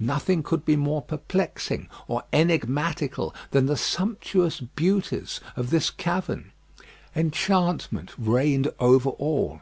Nothing could be more perplexing or enigmatical than the sumptuous beauties of this cavern. Enchantment reigned over all.